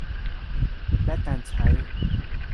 และการใช้